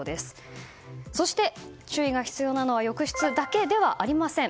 そして、注意が必要なのは浴室だけではありません。